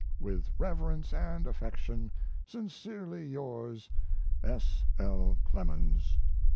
With reverence and affection, Sincerely yours, S. L. CLEMENS.